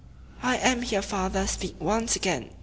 "I am here, father! Speak once again!"